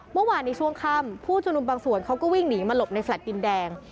เมื่อวานในช่วงค่ำผู้ชุมนุมบางส่วนเขาก็วิ่งหนีมาหลบในแลตดินแดง